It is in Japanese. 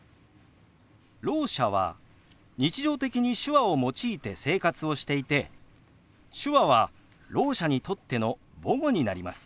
ろう者は日常的に手話を用いて生活をしていて手話はろう者にとっての母語になります。